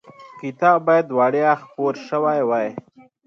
کتاب باید وړیا خپور شوی وای.